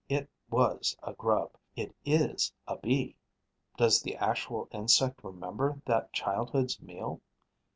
It was a grub; it is a Bee. Does the actual insect remember that childhood's meal?